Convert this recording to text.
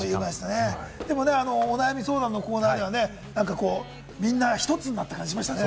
でも、お悩み相談のコーナーでは、みんな１つになった感じありましたね。